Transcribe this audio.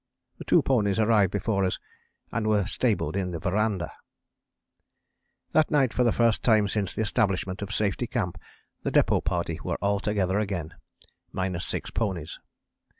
The two ponies arrived before us and were stabled in the verandah. "That night for the first time since the establishment of Safety Camp the depôt party were all together again, minus six ponies.